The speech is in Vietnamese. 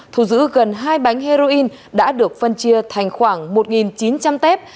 thu giữ gần hai bánh heroin đã được phân chia thành khoảng một chín trăm linh tép